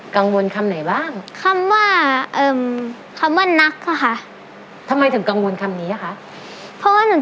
กังวลคำไหนบ้างคำว่าเอ่อคำว่านักค่ะทำไมถึงกังวลคำนี้อะคะเพราะว่าหนึ่ง